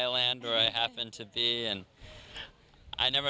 หรอกเจอคนเขาในพื้นที่ชั้นกาวนี้